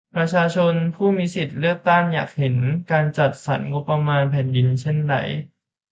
ประชาชนผู้มีสิทธิ์เลือกตั้งอยากเห็นการจัดสรรงบประมาณแผ่นดินเป็นเช่นใด ?